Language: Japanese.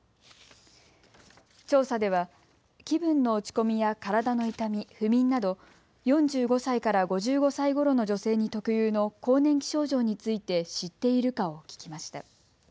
調査では気分の落ち込みや体の痛み、不眠など４５歳から５５歳ごろの女性に特有の更年期症状について知っているかを聞きました。